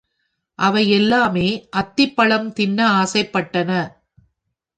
அவை எல்லாமே அத்திப் பழம் தின்ன ஆசைப்பட்டன.